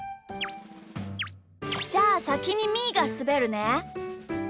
じゃあさきにみーがすべるね。